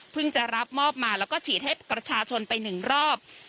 จะรับมอบมาแล้วก็ฉีดให้ประชาชนไปหนึ่งรอบ